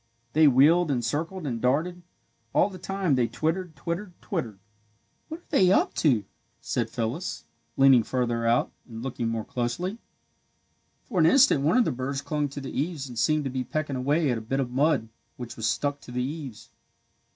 They wheeled and circled and darted. All the time they twittered, twittered, twittered. "What are they up to?" said Phyllis, leaning farther out and looking more closely. For an instant one of the birds clung to the eaves and seemed to be pecking away at a bit of mud which was stuck to the eaves.